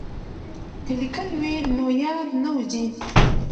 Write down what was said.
که لیکل وي نو یاد نه وځي.